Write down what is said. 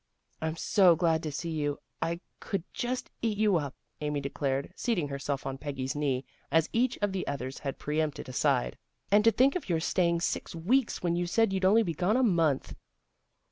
" I'm so glad to see you, I could just eat you up," Amy declared, seating herself on Peggy's knee, as each of the others had preempted a side. " And to think of your staying six weeks, when you said you'd only be gone a month."